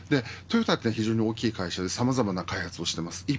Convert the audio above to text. トヨタは非常に大きい会社でさまざまな開発をしています。